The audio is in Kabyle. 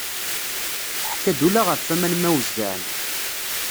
Teḥka-d ula ɣef aman ma wezzɛen.